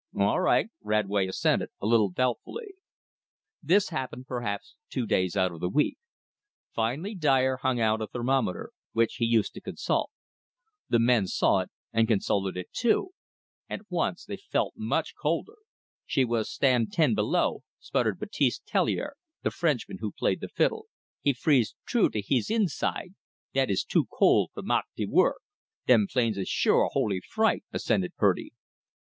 "All right," Radway assented, a little doubtfully. This happened perhaps two days out of the week. Finally Dyer hung out a thermometer, which he used to consult. The men saw it, and consulted it too. At once they felt much colder. "She was stan' ten below," sputtered Baptiste Tellier, the Frenchman who played the fiddle. "He freeze t'rou to hees eenside. Dat is too cole for mak de work." "Them plains is sure a holy fright," assented Purdy.